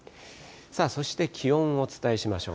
そして気温をお伝えしましょう。